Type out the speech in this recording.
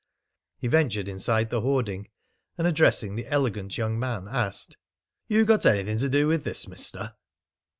He ventured inside the hoarding, and, addressing the elegant young man, asked: "You got anything to do with this, Mister?"